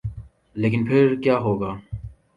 لیکن پھر کیا ہو گا؟